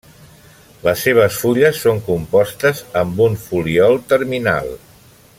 Les seves fulles són compostes, amb un folíol terminal.